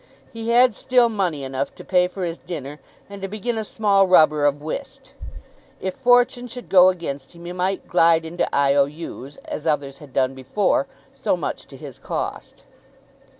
He had still money enough to pay for his dinner and to begin a small rubber of whist. If fortune should go against him he might glide into I. O. U.'s; as others had done before, so much to his cost.